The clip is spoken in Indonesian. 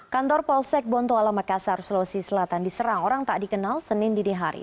kantor polsek bontoala makassar sulawesi selatan diserang orang tak dikenal senin dinihari